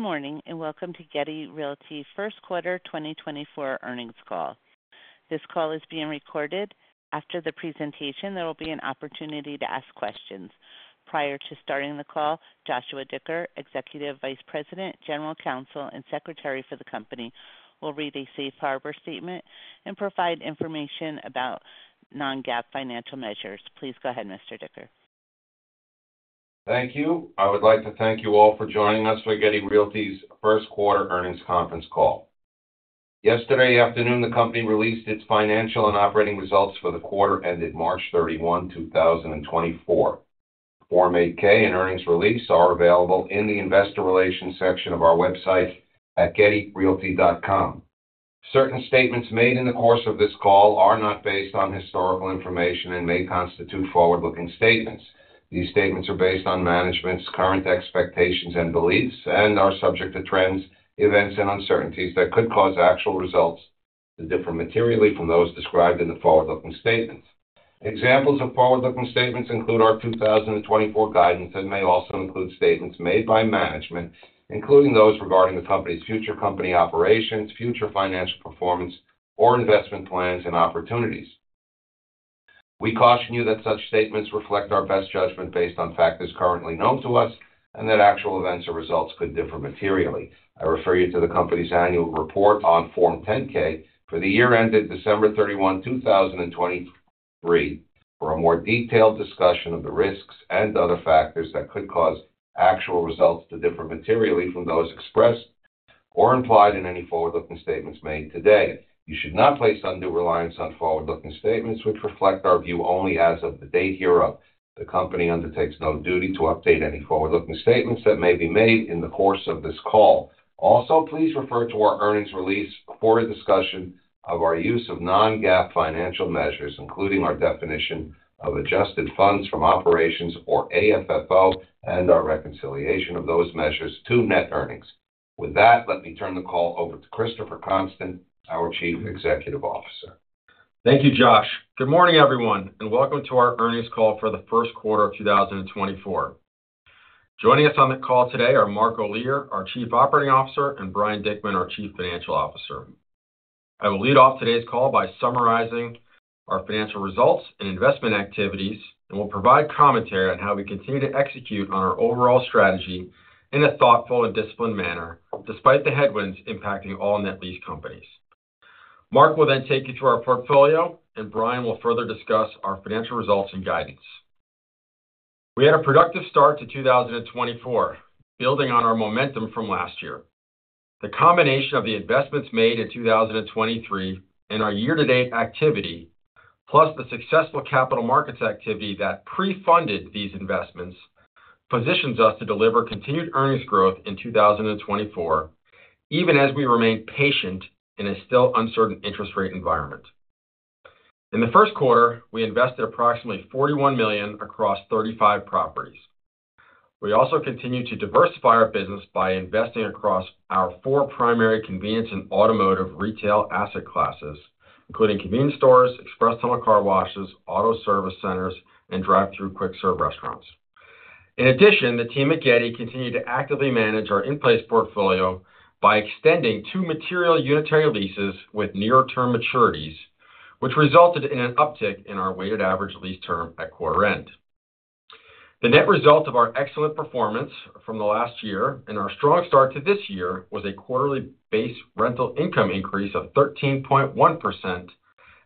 Good morning and welcome to Getty Realty First Quarter 2024 earnings call. This call is being recorded. After the presentation, there will be an opportunity to ask questions. Prior to starting the call, Joshua Dicker, Executive Vice President, General Counsel, and Secretary for the Company, will read a safe harbor statement and provide information about Non-GAAP financial measures. Please go ahead, Mr. Dicker. Thank you. I would like to thank you all for joining us for Getty Realty's First Quarter Earnings Conference call. Yesterday afternoon, the company released its financial and operating results for the quarter ended March 31, 2024. Form 8-K and earnings release are available in the Investor Relations section of our website at gettyrealty.com. Certain statements made in the course of this call are not based on historical information and may constitute forward-looking statements. These statements are based on management's current expectations and beliefs and are subject to trends, events, and uncertainties that could cause actual results that differ materially from those described in the forward-looking statements. Examples of forward-looking statements include our 2024 guidance and may also include statements made by management, including those regarding the company's future company operations, future financial performance, or investment plans and opportunities. We caution you that such statements reflect our best judgment based on factors currently known to us and that actual events or results could differ materially. I refer you to the company's annual report on Form 10-K for the year ended December 31, 2023, for a more detailed discussion of the risks and other factors that could cause actual results to differ materially from those expressed or implied in any forward-looking statements made today. You should not place undue reliance on forward-looking statements which reflect our view only as of the date hereof. The company undertakes no duty to update any forward-looking statements that may be made in the course of this call. Also, please refer to our earnings release for a discussion of our use of non-GAAP financial measures, including our definition of adjusted funds from operations or AFFO and our reconciliation of those measures to net earnings. With that, let me turn the call over to Christopher Constant, our Chief Executive Officer. Thank you, Josh. Good morning, everyone, and welcome to our earnings call for the first quarter of 2024. Joining us on the call today are Mark Olear, our Chief Operating Officer, and Brian Dickman, our Chief Financial Officer. I will lead off today's call by summarizing our financial results and investment activities and will provide commentary on how we continue to execute on our overall strategy in a thoughtful and disciplined manner despite the headwinds impacting all net lease companies. Mark will then take you through our portfolio, and Brian will further discuss our financial results and guidance. We had a productive start to 2024, building on our momentum from last year. The combination of the investments made in 2023 and our year-to-date activity, plus the successful capital markets activity that pre-funded these investments, positions us to deliver continued earnings growth in 2024, even as we remain patient in a still uncertain interest rate environment. In the first quarter, we invested approximately $41 million across 35 properties. We also continued to diversify our business by investing across our four primary convenience and automotive retail asset classes, including convenience stores, express tunnel car washes, auto service centers, and drive-thru quick-serve restaurants. In addition, the team at Getty continued to actively manage our in-place portfolio by extending two material unitary leases with near-term maturities, which resulted in an uptick in our weighted average lease term at quarter-end. The net result of our excellent performance from the last year and our strong start to this year was a quarterly base rental income increase of 13.1%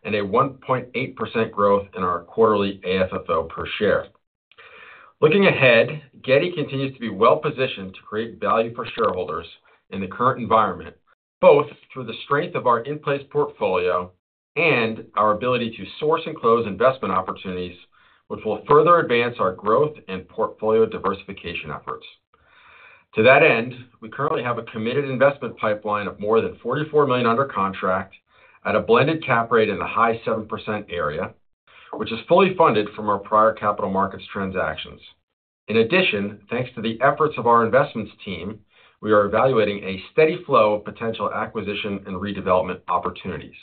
and a 1.8% growth in our quarterly AFFO per share. Looking ahead, Getty continues to be well-positioned to create value for shareholders in the current environment, both through the strength of our in-place portfolio and our ability to source and close investment opportunities, which will further advance our growth and portfolio diversification efforts. To that end, we currently have a committed investment pipeline of more than $44 million under contract at a blended cap rate in the high 7% area, which is fully funded from our prior capital markets transactions. In addition, thanks to the efforts of our investments team, we are evaluating a steady flow of potential acquisition and redevelopment opportunities.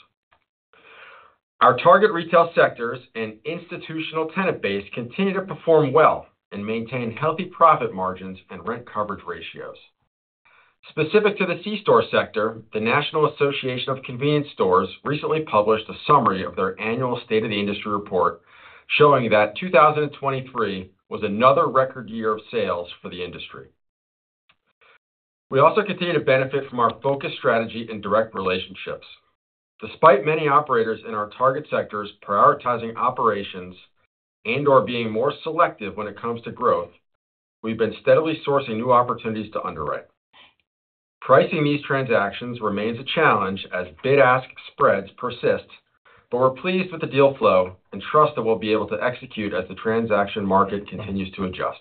Our target retail sectors and institutional tenant base continue to perform well and maintain healthy profit margins and rent coverage ratios. Specific to the C-store sector, the National Association of Convenience Stores recently published a summary of their annual State of the Industry report showing that 2023 was another record year of sales for the industry. We also continue to benefit from our focused strategy and direct relationships. Despite many operators in our target sectors prioritizing operations and/or being more selective when it comes to growth, we've been steadily sourcing new opportunities to underwrite. Pricing these transactions remains a challenge as bid-ask spreads persist, but we're pleased with the deal flow and trust that we'll be able to execute as the transaction market continues to adjust.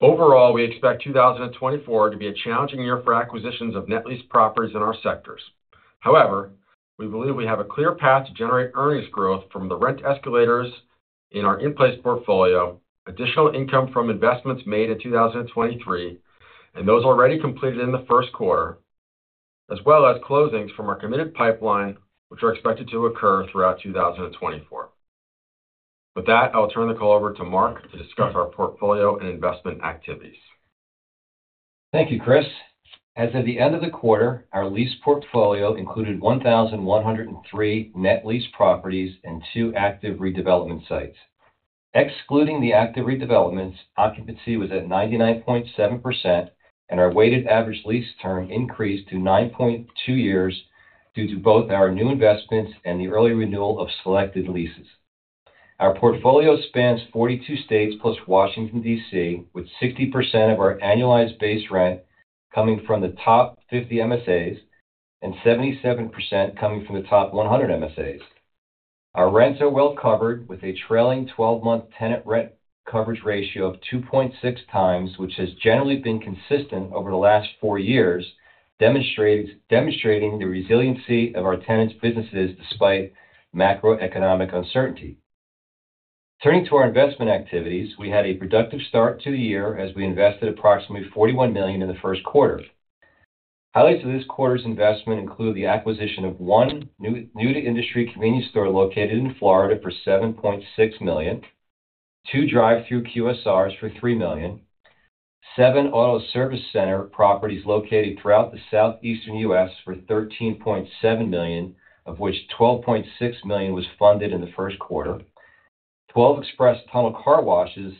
Overall, we expect 2024 to be a challenging year for acquisitions of net lease properties in our sectors. However, we believe we have a clear path to generate earnings growth from the rent escalators in our in-place portfolio, additional income from investments made in 2023 and those already completed in the first quarter, as well as closings from our committed pipeline, which are expected to occur throughout 2024. With that, I'll turn the call over to Mark to discuss our portfolio and investment activities. Thank you, Chris. As of the end of the quarter, our lease portfolio included 1,103 net lease properties and two active redevelopment sites. Excluding the active redevelopments, occupancy was at 99.7%, and our weighted average lease term increased to 9.2 years due to both our new investments and the early renewal of selected leases. Our portfolio spans 42 states plus Washington, D.C., with 60% of our annualized base rent coming from the top 50 MSAs and 77% coming from the top 100 MSAs. Our rents are well covered, with a trailing 12-month tenant rent coverage ratio of 2.6 times, which has generally been consistent over the last four years, demonstrating the resiliency of our tenants' businesses despite macroeconomic uncertainty. Turning to our investment activities, we had a productive start to the year as we invested approximately $41 million in the first quarter. Highlights of this quarter's investment include the acquisition of one new-to-industry convenience store located in Florida for $7.6 million, two drive-thru QSRs for $3 million, seven auto service center properties located throughout the southeastern U.S. for $13.7 million, of which $12.6 million was funded in the first quarter, 12 express tunnel car washes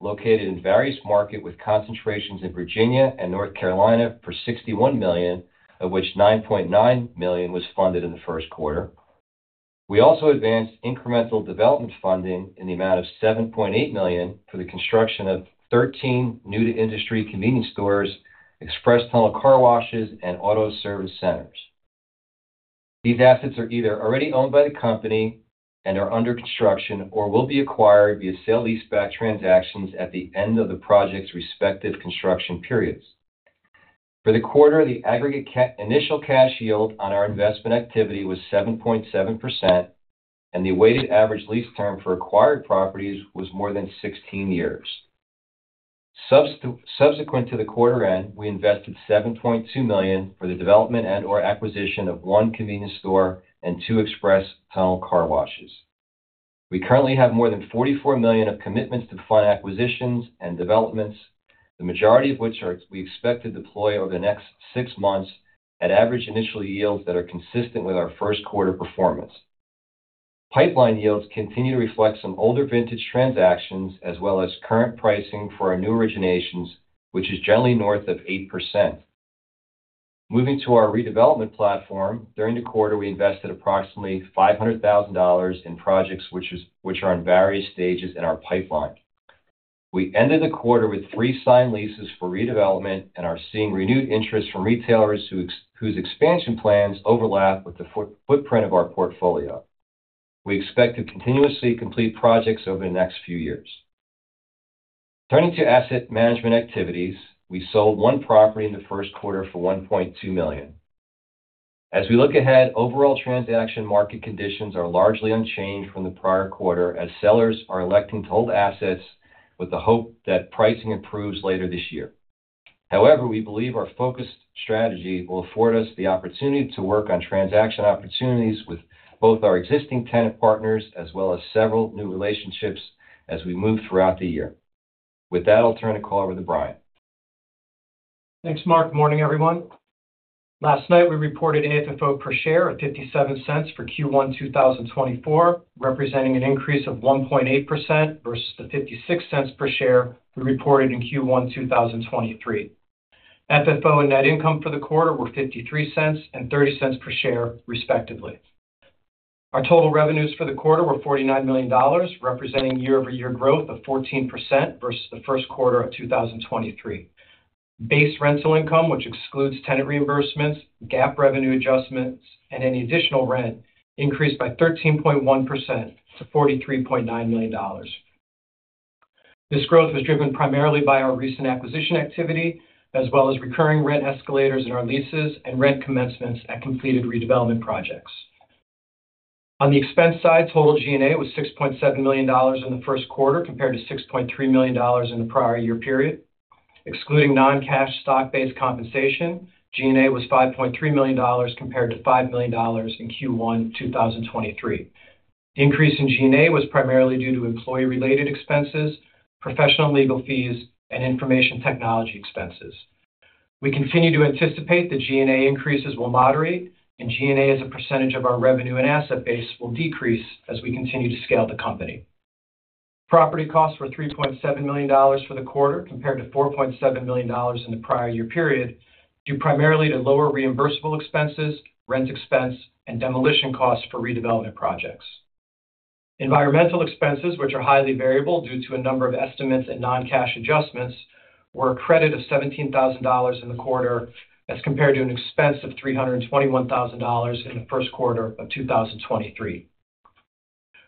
located in various markets with concentrations in Virginia and North Carolina for $61 million, of which $9.9 million was funded in the first quarter. We also advanced incremental development funding in the amount of $7.8 million for the construction of 13 new-to-industry convenience stores, express tunnel car washes, and auto service centers. These assets are either already owned by the company and are under construction or will be acquired via sale-lease-back transactions at the end of the project's respective construction periods. For the quarter, the aggregate initial cash yield on our investment activity was 7.7%, and the weighted average lease term for acquired properties was more than 16 years. Subsequent to the quarter-end, we invested $7.2 million for the development and/or acquisition of one convenience store and two express tunnel car washes. We currently have more than $44 million of commitments to fund acquisitions and developments, the majority of which we expect to deploy over the next six months at average initial yields that are consistent with our first quarter performance. Pipeline yields continue to reflect some older vintage transactions as well as current pricing for our new originations, which is generally north of 8%. Moving to our redevelopment platform, during the quarter, we invested approximately $500,000 in projects which are in various stages in our pipeline. We ended the quarter with three signed leases for redevelopment and are seeing renewed interest from retailers whose expansion plans overlap with the footprint of our portfolio. We expect to continuously complete projects over the next few years. Turning to asset management activities, we sold one property in the first quarter for $1.2 million. As we look ahead, overall transaction market conditions are largely unchanged from the prior quarter as sellers are electing to hold assets with the hope that pricing improves later this year. However, we believe our focused strategy will afford us the opportunity to work on transaction opportunities with both our existing tenant partners as well as several new relationships as we move throughout the year. With that, I'll turn the call over to Brian. Thanks, Mark. Good morning, everyone. Last night, we reported AFFO per share at $0.57 for Q1 2024, representing an increase of 1.8% versus the $0.56 per share we reported in Q1 2023. FFO and net income for the quarter were $0.53 and $0.30 per share, respectively. Our total revenues for the quarter were $49 million, representing year-over-year growth of 14% versus the first quarter of 2023. Base rental income, which excludes tenant reimbursements, GAAP revenue adjustments, and any additional rent, increased by 13.1% to $43.9 million. This growth was driven primarily by our recent acquisition activity as well as recurring rent escalators in our leases and rent commencements at completed redevelopment projects. On the expense side, total G&A was $6.7 million in the first quarter compared to $6.3 million in the prior year period. Excluding non-cash stock-based compensation, G&A was $5.3 million compared to $5 million in Q1 2023. The increase in G&A was primarily due to employee-related expenses, professional legal fees, and information technology expenses. We continue to anticipate the G&A increases will moderate, and G&A as a percentage of our revenue and asset base will decrease as we continue to scale the company. Property costs were $3.7 million for the quarter compared to $4.7 million in the prior year period, due primarily to lower reimbursable expenses, rent expense, and demolition costs for redevelopment projects. Environmental expenses, which are highly variable due to a number of estimates and non-cash adjustments, were a credit of $17,000 in the quarter as compared to an expense of $321,000 in the first quarter of 2023.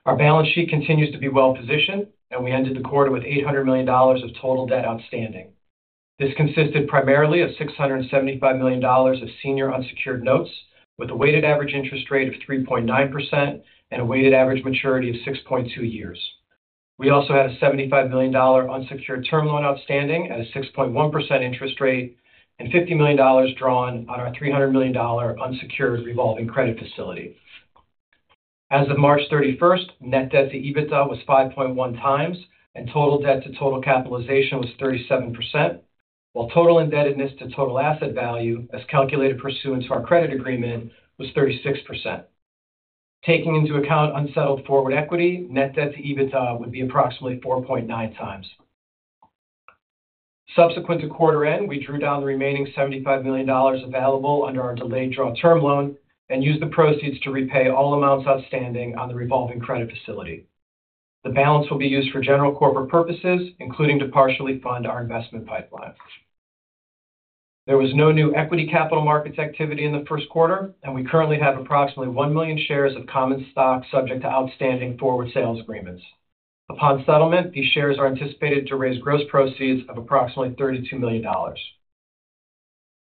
Our balance sheet continues to be well-positioned, and we ended the quarter with $800 million of total debt outstanding. This consisted primarily of $675 million of senior unsecured notes with a weighted average interest rate of 3.9% and a weighted average maturity of 6.2 years. We also had a $75 million unsecured term loan outstanding at a 6.1% interest rate and $50 million drawn on our $300 million unsecured revolving credit facility. As of March 31st, net debt to EBITDA was 5.1 times, and total debt to total capitalization was 37%, while total indebtedness to total asset value, as calculated pursuant to our credit agreement, was 36%. Taking into account unsettled forward equity, net debt to EBITDA would be approximately 4.9 times. Subsequent to quarter-end, we drew down the remaining $75 million available under our delayed draw term loan and used the proceeds to repay all amounts outstanding on the revolving credit facility. The balance will be used for general corporate purposes, including to partially fund our investment pipeline. There was no new equity capital markets activity in the first quarter, and we currently have approximately 1 million shares of common stock subject to outstanding forward sales agreements. Upon settlement, these shares are anticipated to raise gross proceeds of approximately $32 million.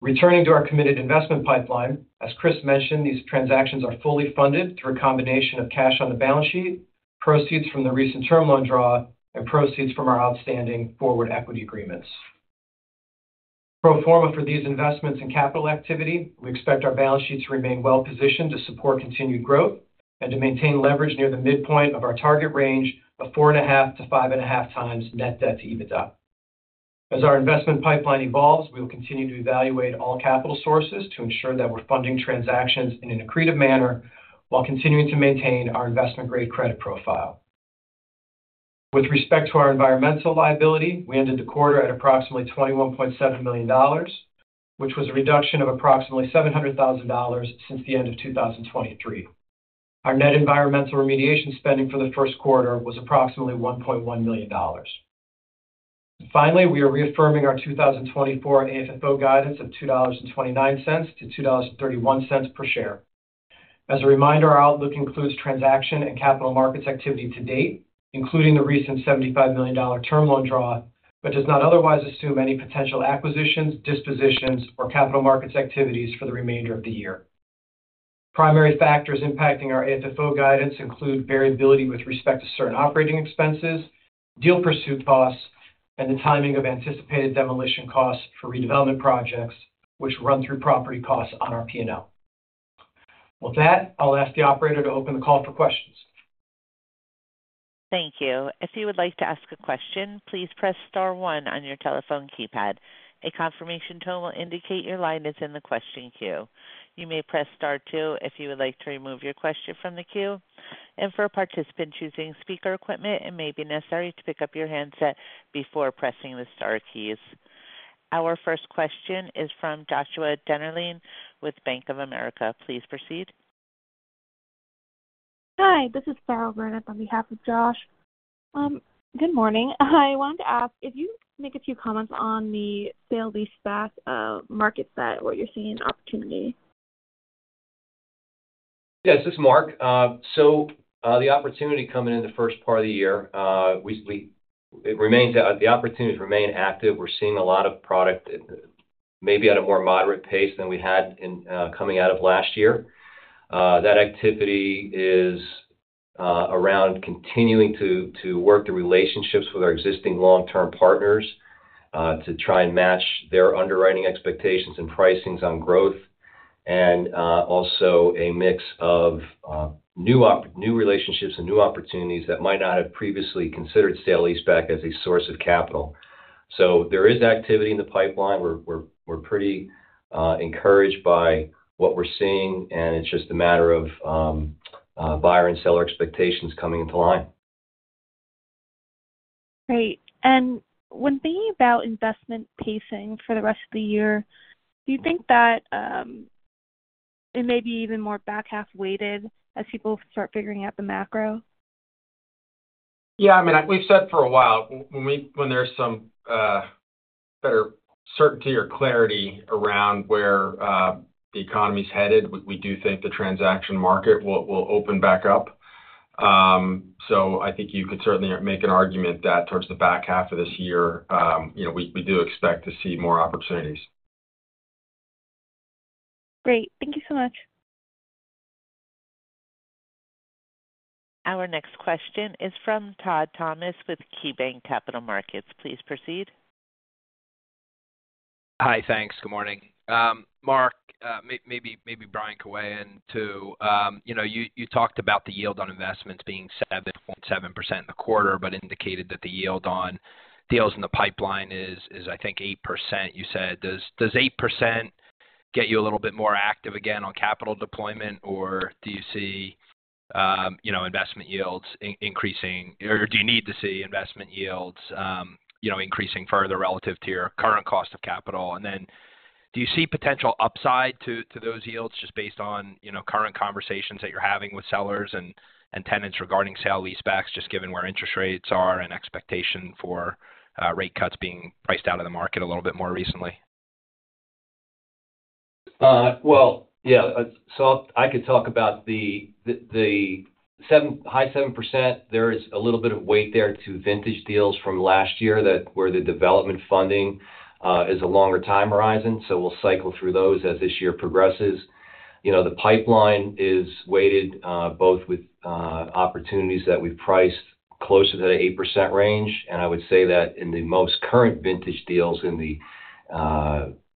Returning to our committed investment pipeline, as Chris mentioned, these transactions are fully funded through a combination of cash on the balance sheet, proceeds from the recent term loan draw, and proceeds from our outstanding forward equity agreements. Pro forma for these investments and capital activity, we expect our balance sheet to remain well-positioned to support continued growth and to maintain leverage near the midpoint of our target range of 4.5-5.5 times net debt to EBITDA. As our investment pipeline evolves, we will continue to evaluate all capital sources to ensure that we're funding transactions in an accretive manner while continuing to maintain our investment-grade credit profile. With respect to our environmental liability, we ended the quarter at approximately $21.7 million, which was a reduction of approximately $700,000 since the end of 2023. Our net environmental remediation spending for the first quarter was approximately $1.1 million. Finally, we are reaffirming our 2024 AFFO guidance of $2.29-$2.31 per share. As a reminder, our outlook includes transaction and capital markets activity to date, including the recent $75 million term loan draw, but does not otherwise assume any potential acquisitions, dispositions, or capital markets activities for the remainder of the year. Primary factors impacting our AFFO guidance include variability with respect to certain operating expenses, deal pursuit costs, and the timing of anticipated demolition costs for redevelopment projects, which run through property costs on our P&L. With that, I'll ask the operator to open the call for questions. Thank you. If you would like to ask a question, please press star one on your telephone keypad. A confirmation tone will indicate your line is in the question queue. You may press star two if you would like to remove your question from the queue. For participants using speaker equipment, it may be necessary to pick up your handset before pressing the star keys. Our first question is from Joshua Dennerlein with Bank of America. Please proceed. Hi, this is Sarah Granett on behalf of Josh. Good morning. I wanted to ask if you could make a few comments on the sale-leaseback markets that what you're seeing in opportunity. Yes, this is Mark. So the opportunity coming in the first part of the year, it remains that the opportunities remain active. We're seeing a lot of product maybe at a more moderate pace than we had coming out of last year. That activity is around continuing to work the relationships with our existing long-term partners to try and match their underwriting expectations and pricings on growth, and also a mix of new relationships and new opportunities that might not have previously considered sale-leaseback as a source of capital. So there is activity in the pipeline. We're pretty encouraged by what we're seeing, and it's just a matter of buyer and seller expectations coming into line. Great. When thinking about investment pacing for the rest of the year, do you think that it may be even more back half-weighted as people start figuring out the macro? Yeah, I mean, we've said for a while when there's some better certainty or clarity around where the economy's headed, we do think the transaction market will open back up. So I think you could certainly make an argument that towards the back half of this year, we do expect to see more opportunities. Great. Thank you so much. Our next question is from Todd Thomas with KeyBanc Capital Markets. Please proceed. Hi, thanks. Good morning. Mark, maybe Brian can weigh in too. You talked about the yield on investments being 7.7% in the quarter but indicated that the yield on deals in the pipeline is, I think, 8%, you said. Does 8% get you a little bit more active again on capital deployment, or do you see investment yields increasing, or do you need to see investment yields increasing further relative to your current cost of capital? And then do you see potential upside to those yields just based on current conversations that you're having with sellers and tenants regarding sale-lease-backs, just given where interest rates are and expectation for rate cuts being priced out of the market a little bit more recently? Well, yeah. So I could talk about the high 7%. There is a little bit of weight there to vintage deals from last year where the development funding is a longer time horizon. So we'll cycle through those as this year progresses. The pipeline is weighted both with opportunities that we've priced closer to the 8% range. And I would say that in the most current vintage deals in the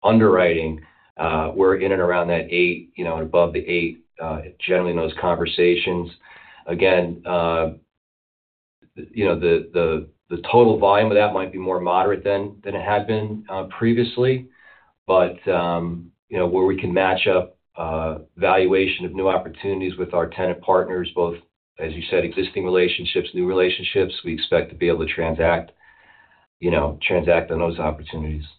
underwriting, we're in and around that 8% and above the 8% generally in those conversations. Again, the total volume of that might be more moderate than it had been previously. But where we can match up valuation of new opportunities with our tenant partners, both, as you said, existing relationships, new relationships, we expect to be able to transact on those opportunities. Yeah.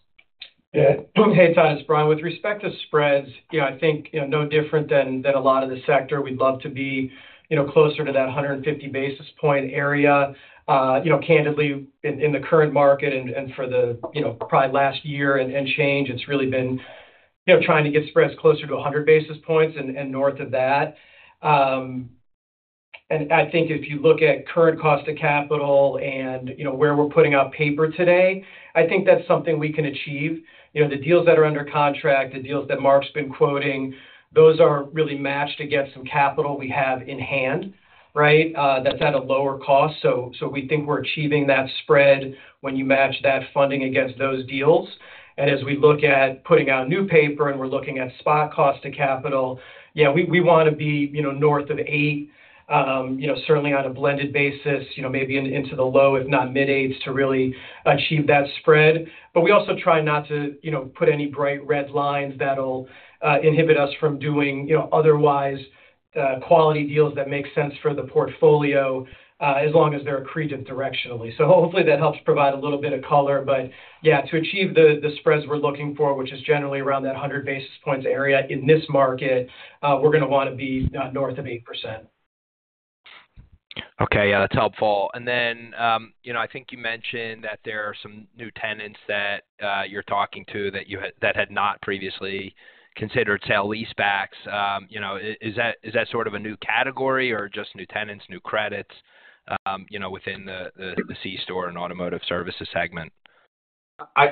Hey, Todd, it's Brian. With respect to spreads, I think no different than a lot of the sector, we'd love to be closer to that 150 basis points area. Candidly, in the current market and for the probably last year and change, it's really been trying to get spreads closer to 100 basis points and north of that. And I think if you look at current cost of capital and where we're putting out paper today, I think that's something we can achieve. The deals that are under contract, the deals that Mark's been quoting, those are really matched against some capital we have in hand, right? That's at a lower cost. So we think we're achieving that spread when you match that funding against those deals. As we look at putting out new paper and we're looking at spot cost of capital, yeah, we want to be north of 8, certainly on a blended basis, maybe into the low, if not mid-8s, to really achieve that spread. But we also try not to put any bright red lines that'll inhibit us from doing otherwise quality deals that make sense for the portfolio as long as they're accretive directionally. So hopefully, that helps provide a little bit of color. But yeah, to achieve the spreads we're looking for, which is generally around that 100 basis points area in this market, we're going to want to be north of 8%. Okay. Yeah, that's helpful. And then I think you mentioned that there are some new tenants that you're talking to that had not previously considered sale-lease-backs. Is that sort of a new category or just new tenants, new credits within the C-store and automotive services segment?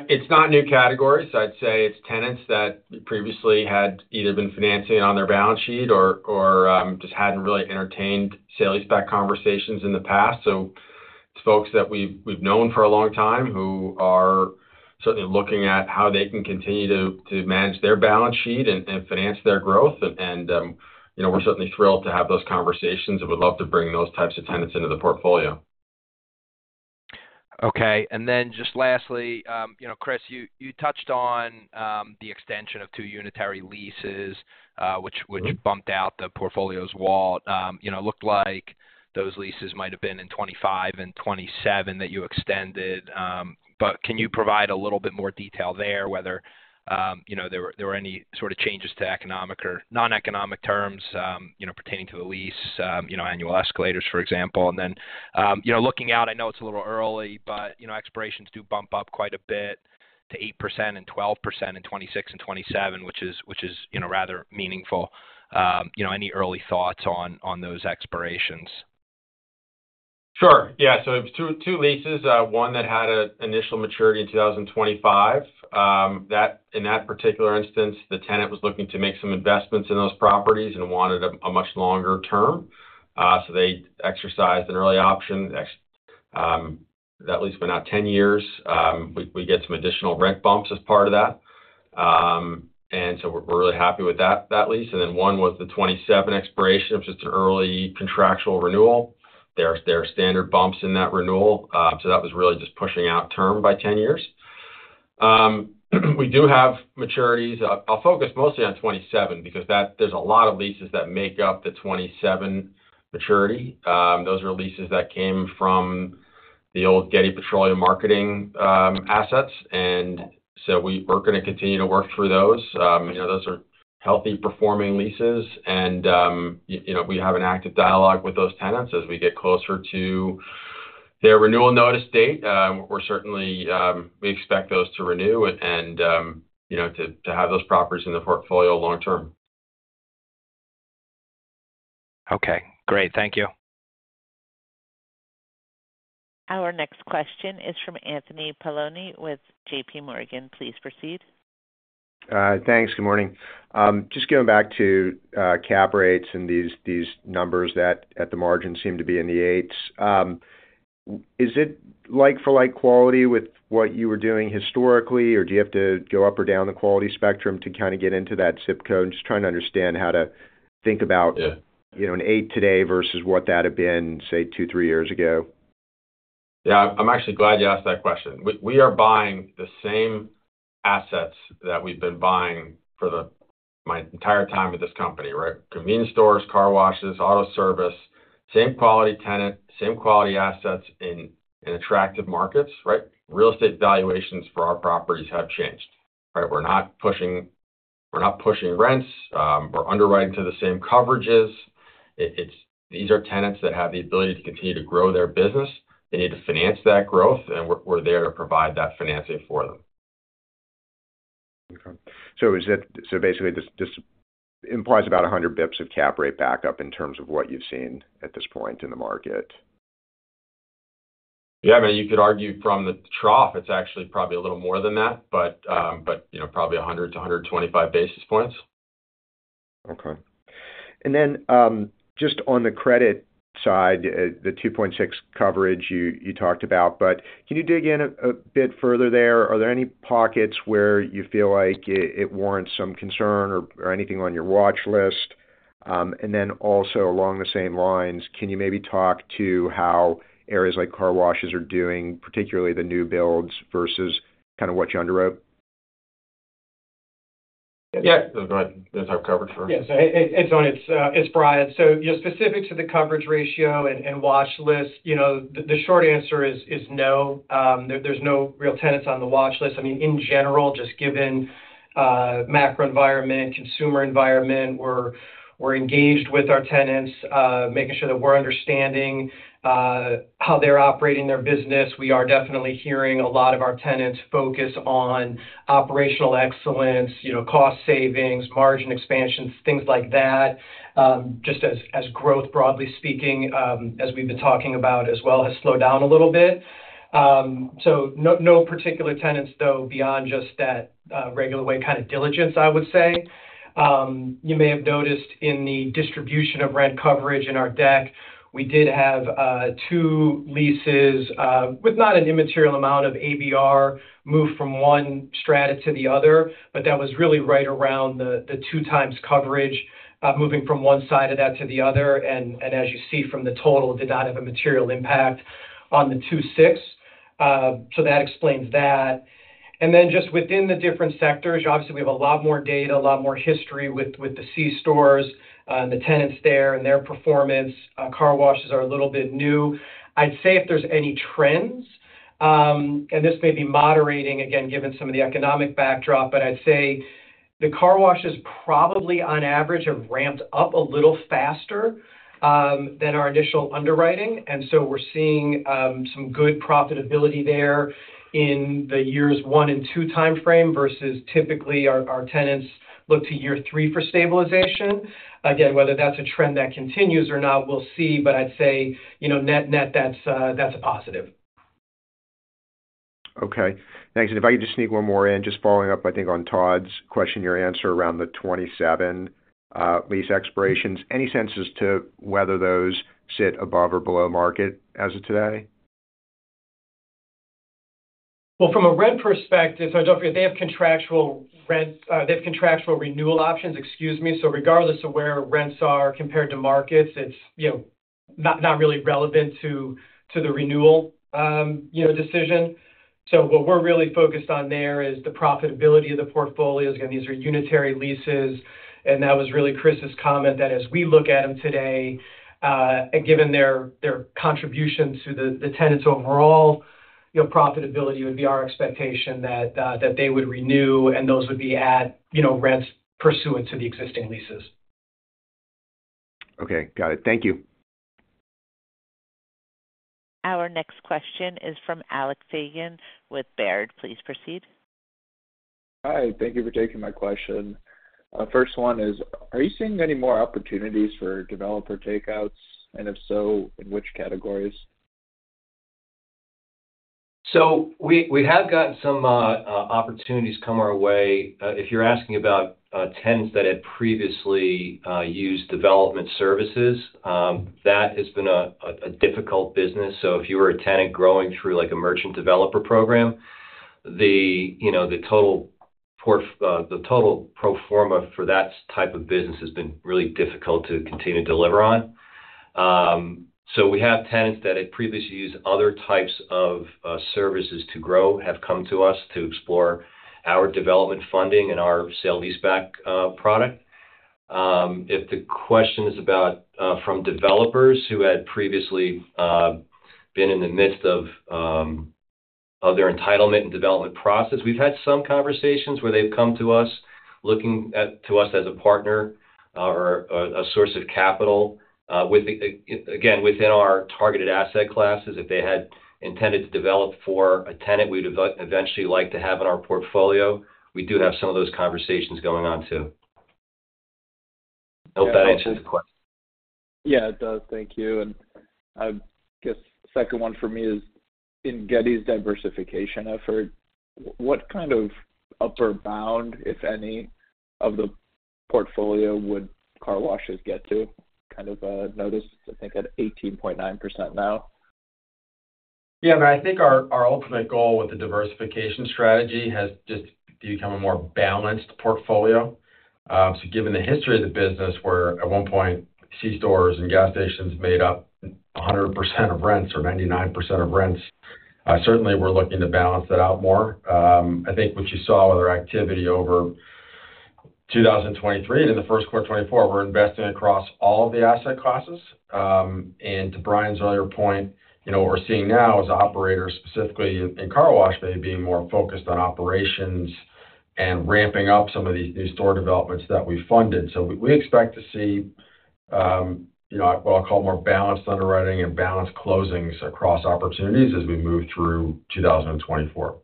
It's not a new category. So I'd say it's tenants that previously had either been financing it on their balance sheet or just hadn't really entertained sale-leaseback conversations in the past. So it's folks that we've known for a long time who are certainly looking at how they can continue to manage their balance sheet and finance their growth. And we're certainly thrilled to have those conversations and would love to bring those types of tenants into the portfolio. Okay. And then just lastly, Chris, you touched on the extension of two unitary leases, which bumped out the portfolio's wall. It looked like those leases might have been in 2025 and 2027 that you extended. But can you provide a little bit more detail there, whether there were any sort of changes to economic or non-economic terms pertaining to the lease, annual escalators, for example? And then looking out, I know it's a little early, but expirations do bump up quite a bit to 8% and 12% in 2026 and 2027, which is rather meaningful. Any early thoughts on those expirations? Sure. Yeah. So it was two leases. One that had initial maturity in 2025. In that particular instance, the tenant was looking to make some investments in those properties and wanted a much longer term. So they exercised an early option that leased for now 10 years. We get some additional rent bumps as part of that. And so we're really happy with that lease. And then one was the 2027 expiration of just an early contractual renewal. There are standard bumps in that renewal. So that was really just pushing out term by 10 years. We do have maturities. I'll focus mostly on 2027 because there's a lot of leases that make up the 2027 maturity. Those are leases that came from the old Getty Petroleum Marketing assets. And so we're going to continue to work through those. Those are healthy performing leases. We have an active dialogue with those tenants as we get closer to their renewal notice date. We expect those to renew and to have those properties in the portfolio long term. Okay. Great. Thank you. Our next question is from Anthony Paolone with JPMorgan. Please proceed. Thanks. Good morning. Just going back to cap rates and these numbers that at the margin seem to be in the eights, is it like-for-like quality with what you were doing historically, or do you have to go up or down the quality spectrum to kind of get into that zip code? I'm just trying to understand how to think about an 8 today versus what that had been, say, two, three years ago. Yeah, I'm actually glad you asked that question. We are buying the same assets that we've been buying for my entire time at this company, right? Convenience stores, car washes, auto service, same quality tenant, same quality assets in attractive markets, right? Real estate valuations for our properties have changed, right? We're not pushing rents. We're underwriting to the same coverages. These are tenants that have the ability to continue to grow their business. They need to finance that growth, and we're there to provide that financing for them. Okay. So basically, this implies about 100 basis points of cap rate backup in terms of what you've seen at this point in the market. Yeah, I mean, you could argue from the trough, it's actually probably a little more than that, but probably 100-125 basis points. Okay. And then just on the credit side, the 2.6 coverage you talked about, but can you dig in a bit further there? Are there any pockets where you feel like it warrants some concern or anything on your watch list? And then also along the same lines, can you maybe talk to how areas like car washes are doing, particularly the new builds versus kind of what you underwrote? Yeah, go ahead. There's how coverage works. Yeah. So it's Brian. So specific to the coverage ratio and watch list, the short answer is no. There's no real tenants on the watch list. I mean, in general, just given macro environment, consumer environment, we're engaged with our tenants, making sure that we're understanding how they're operating their business. We are definitely hearing a lot of our tenants focus on operational excellence, cost savings, margin expansions, things like that. Just as growth, broadly speaking, as we've been talking about as well, has slowed down a little bit. So no particular tenants, though, beyond just that regular way kind of diligence, I would say. You may have noticed in the distribution of rent coverage in our deck, we did have two leases with not an immaterial amount of ABR moved from one strata to the other, but that was really right around the two times coverage moving from one side of that to the other. And as you see from the total, it did not have a material impact on the 2.6. So that explains that. And then just within the different sectors, obviously, we have a lot more data, a lot more history with the C-Stores and the tenants there and their performance. Car washes are a little bit new. I'd say if there's any trends, and this may be moderating, again, given some of the economic backdrop, but I'd say the car washes probably, on average, have ramped up a little faster than our initial underwriting. And so we're seeing some good profitability there in the years one and two timeframe versus typically our tenants look to year three for stabilization. Again, whether that's a trend that continues or not, we'll see. But I'd say net, net, that's a positive. Okay. Thanks. If I could just sneak one more in, just following up, I think, on Todd's question, your answer around the 27 lease expirations, any senses to whether those sit above or below market as of today? Well, from a rent perspective, so I don't feel they have contractual rent. They have contractual renewal options, excuse me. So regardless of where rents are compared to markets, it's not really relevant to the renewal decision. So what we're really focused on there is the profitability of the portfolios. Again, these are unitary leases. And that was really Chris's comment that as we look at them today, and given their contribution to the tenants' overall profitability, it would be our expectation that they would renew and those would be at rents pursuant to the existing leases. Okay. Got it. Thank you. Our next question is from Alex Fagan with Baird. Please proceed. Hi. Thank you for taking my question. First one is, are you seeing any more opportunities for developer takeouts? And if so, in which categories? So we have gotten some opportunities come our way. If you're asking about tenants that had previously used development services, that has been a difficult business. So if you were a tenant growing through a merchant developer program, the total pro forma for that type of business has been really difficult to continue to deliver on. So we have tenants that had previously used other types of services to grow, have come to us to explore our development funding and our sale-leaseback product. If the question is about from developers who had previously been in the midst of their entitlement and development process, we've had some conversations where they've come to us looking to us as a partner or a source of capital, again, within our targeted asset classes. If they had intended to develop for a tenant we would eventually like to have in our portfolio, we do have some of those conversations going on too. I hope that answers the question. Yeah, it does. Thank you. And I guess the second one for me is in Getty's diversification effort, what kind of upper bound, if any, of the portfolio would car washes get to? Kind of noticed, I think, at 18.9% now. Yeah, I mean, I think our ultimate goal with the diversification strategy has just to become a more balanced portfolio. So given the history of the business where at one point, C-Stores and gas stations made up 100% of rents or 99% of rents, certainly, we're looking to balance that out more. I think what you saw with our activity over 2023 and in the first quarter 2024, we're investing across all of the asset classes. And to Brian's earlier point, what we're seeing now is operators, specifically in car wash maybe being more focused on operations and ramping up some of these new store developments that we funded. So we expect to see what I'll call more balanced underwriting and balanced closings across opportunities as we move through 2024.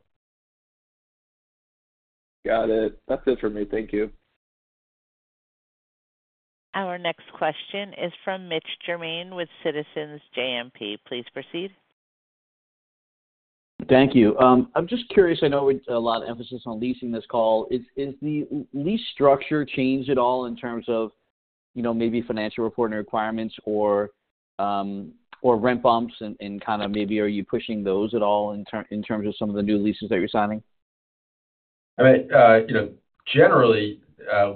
Got it. That's it for me. Thank you. Our next question is from Mitch Germain with Citizens JMP. Please proceed. Thank you. I'm just curious. I know we put a lot of emphasis on leasing this call. Has the lease structure changed at all in terms of maybe financial reporting requirements or rent bumps? Kind of maybe are you pushing those at all in terms of some of the new leases that you're signing? I mean, generally,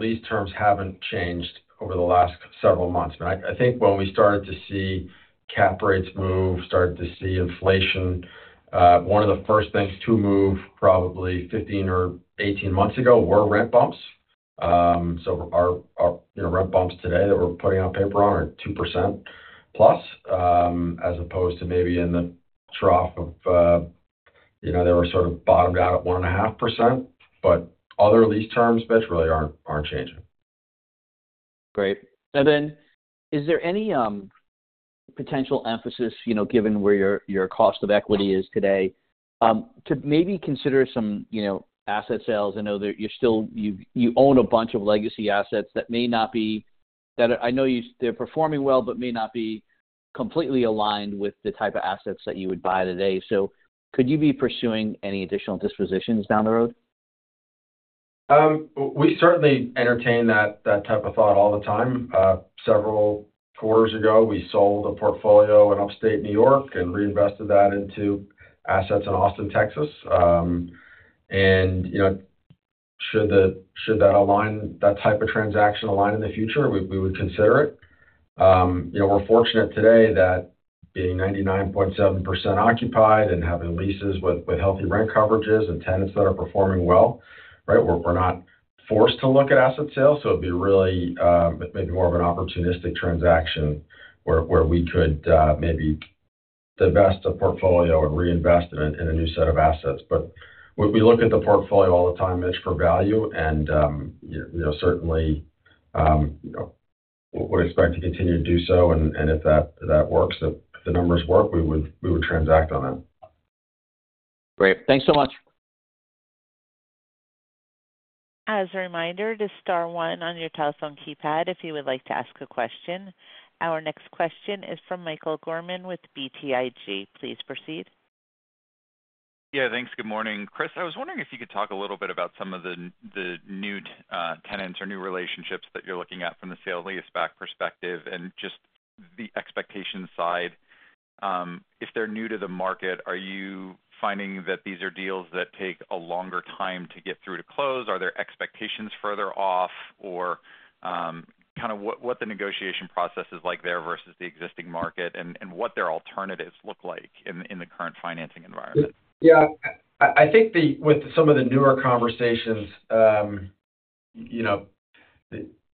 lease terms haven't changed over the last several months. But I think when we started to see cap rates move, started to see inflation, one of the first things to move probably 15 or 18 months ago were rent bumps. So our rent bumps today that we're putting on paper on are 2% plus as opposed to maybe in the trough of they were sort of bottomed out at 1.5%. But other lease terms, Mitch, really aren't changing. Great. And then is there any potential emphasis, given where your cost of equity is today, to maybe consider some asset sales? I know you own a bunch of legacy assets that may not be, I know they're performing well, but may not be completely aligned with the type of assets that you would buy today. So could you be pursuing any additional dispositions down the road? We certainly entertain that type of thought all the time. Several quarters ago, we sold a portfolio in upstate New York and reinvested that into assets in Austin, Texas. And should that type of transaction align in the future, we would consider it. We're fortunate today that being 99.7% occupied and having leases with healthy rent coverages and tenants that are performing well, right? We're not forced to look at asset sales. So it'd be really maybe more of an opportunistic transaction where we could maybe divest a portfolio and reinvest in a new set of assets. But we look at the portfolio all the time, Mitch, for value. And certainly, we would expect to continue to do so. And if that works, if the numbers work, we would transact on that. Great. Thanks so much. As a reminder, just star one on your telephone keypad if you would like to ask a question. Our next question is from Michael Gorman with BTIG. Please proceed. Yeah, thanks. Good morning, Chris. I was wondering if you could talk a little bit about some of the new tenants or new relationships that you're looking at from the sale-leaseback perspective and just the expectation side. If they're new to the market, are you finding that these are deals that take a longer time to get through to close? Are there expectations further off, or kind of what the negotiation process is like there versus the existing market and what their alternatives look like in the current financing environment? Yeah. I think with some of the newer conversations,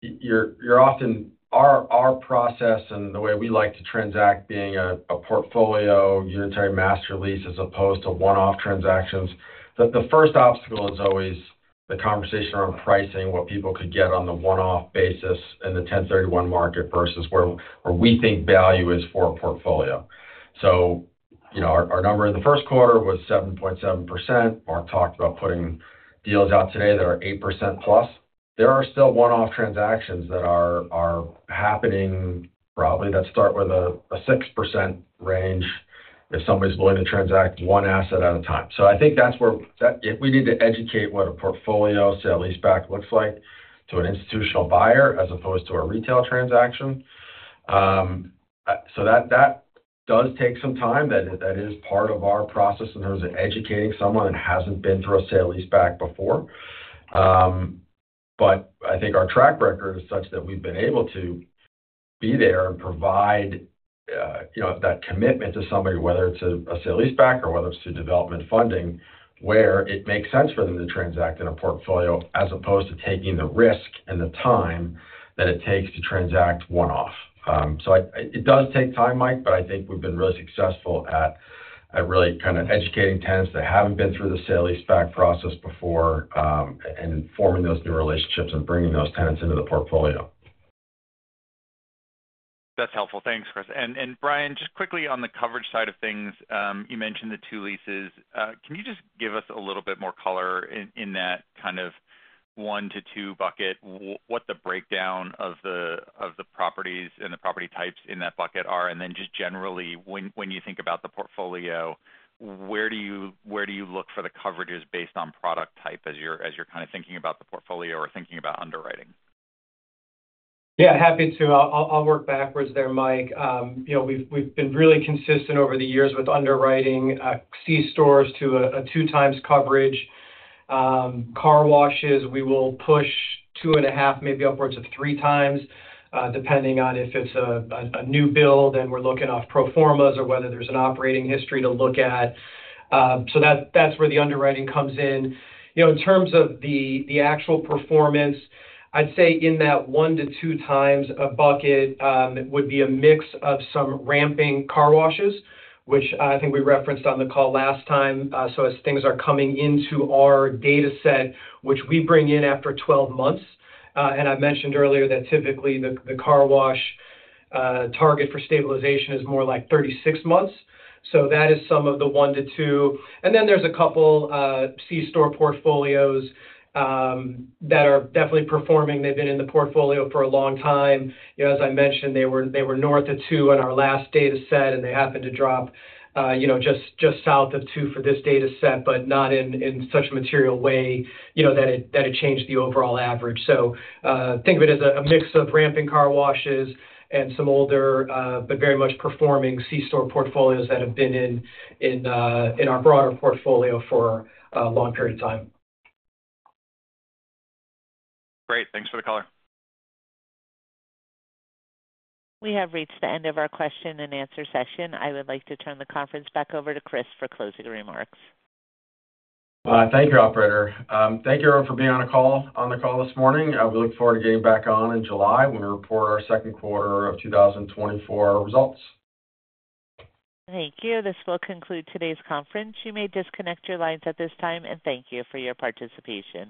you're often our process and the way we like to transact being a portfolio, unitary master lease as opposed to one-off transactions. The first obstacle is always the conversation around pricing, what people could get on the one-off basis in the 1031 market versus where we think value is for a portfolio. So our number in the first quarter was 7.7%. Mark talked about putting deals out today that are 8%+. There are still one-off transactions that are happening probably that start with a 6% range if somebody's willing to transact one asset at a time. So I think that's where we need to educate what a portfolio, sale-leaseback, looks like to an institutional buyer as opposed to a retail transaction. So that does take some time. That is part of our process in terms of educating someone that hasn't been through a sale-lease-back before. But I think our track record is such that we've been able to be there and provide that commitment to somebody, whether it's a sale-lease-back or whether it's through development funding, where it makes sense for them to transact in a portfolio as opposed to taking the risk and the time that it takes to transact one-off. So it does take time, Mike, but I think we've been really successful at really kind of educating tenants that haven't been through the sale-lease-back process before and forming those new relationships and bringing those tenants into the portfolio. That's helpful. Thanks, Chris. And Brian, just quickly on the coverage side of things, you mentioned the 2 leases. Can you just give us a little bit more color in that kind of 1-2 bucket, what the breakdown of the properties and the property types in that bucket are? And then just generally, when you think about the portfolio, where do you look for the coverages based on product type as you're kind of thinking about the portfolio or thinking about underwriting? Yeah, happy to. I'll work backwards there, Mike. We've been really consistent over the years with underwriting, C-Stores to a two-times coverage. Car washes, we will push 2.5, maybe upwards of three times, depending on if it's a new build and we're looking off proformas or whether there's an operating history to look at. So that's where the underwriting comes in. In terms of the actual performance, I'd say in that one-two times bucket, it would be a mix of some ramping car washes, which I think we referenced on the call last time. So as things are coming into our dataset, which we bring in after 12 months. And I mentioned earlier that typically, the car wash target for stabilization is more like 36 months. So that is some of the one-two. And then there's a couple C-Store portfolios that are definitely performing. They've been in the portfolio for a long time. As I mentioned, they were north of two in our last dataset, and they happened to drop just south of two for this dataset, but not in such a material way that it changed the overall average. So think of it as a mix of ramping car washes and some older, but very much performing C-Store portfolios that have been in our broader portfolio for a long period of time. Great. Thanks for the caller. We have reached the end of our question and answer session. I would like to turn the conference back over to Chris for closing remarks. Thank you, operator. Thank you, everyone, for being on the call this morning. We look forward to getting back on in July when we report our second quarter of 2024 results. Thank you. This will conclude today's conference. You may disconnect your lines at this time. Thank you for your participation.